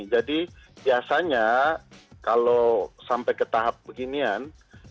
jadi biasanya kalau sampai ke tahap beginian